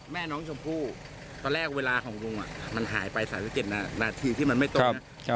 แม่น้องชมพู่ตอนแรกเวลาของลุงมันหายไป๓๗นาทีที่มันไม่ตรงนะ